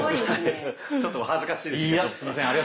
ちょっとお恥ずかしいです。